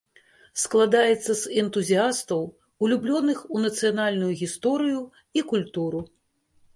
Складаецца з энтузіястаў, улюблёных у нацыянальную гісторыю і культуру.